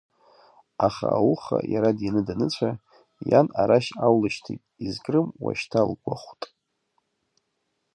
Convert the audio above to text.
Аха ауха иара дианы даныцәа, иан арашь аулышьҭит, изкрым уашьҭа лгәахәт.